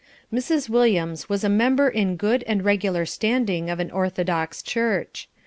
Mrs. Williams was a member in good and regular standing of an orthodox church.